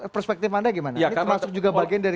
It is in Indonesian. perspektif anda bagaimana